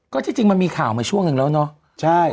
ก็ที่จริงมันมีข่าวมาช่วงหนึ่งแล้วเนาะ